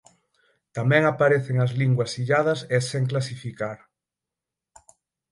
Tamén aparecen as linguas illadas e sen clasificar.